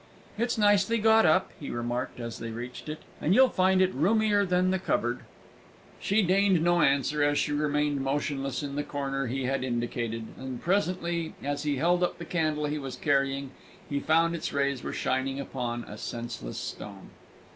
"It's nicely got up," he remarked, as they reached it; "and you'll find it roomier than the cupboard." She deigned no answer as she remained motionless in the corner he had indicated; and presently, as he held up the candle he was carrying, he found its rays were shining upon a senseless stone.